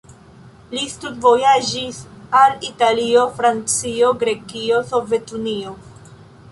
Li studvojaĝis al Italio, Francio, Grekio, Sovetunio.